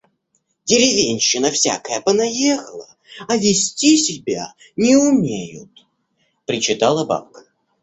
«Деревенщина всякая понаехала, а вести себя не умеют» — причитала бабка.